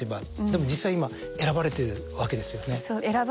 でも実際今選ばれてるわけですよね。